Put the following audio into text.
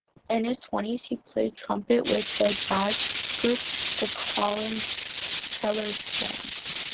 In his twenties he played trumpet with the jazz group, The Colin Kellard Band.